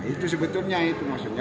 itu sebetulnya itu maksudnya